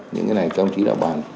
những cái này tham chí đạo bản